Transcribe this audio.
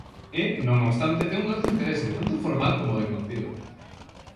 E, non obstante, ten un alto interese, tanto formal como de contido.